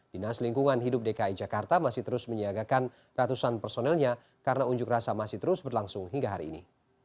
dinas lingkungan hidup dki jakarta masih terus menyiagakan ratusan personelnya karena unjuk rasa masih terus berlangsung hingga hari ini